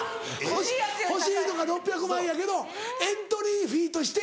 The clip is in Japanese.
欲しいのが６００万やけどエントリーフィーとして。